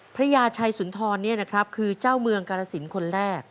พระยาชัยสุนทรเนี่ยนะครับคือเจ้าเมืองการสินคนแรก